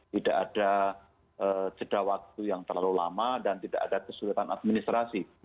tidak ada jeda waktu yang terlalu lama dan tidak ada kesulitan administrasi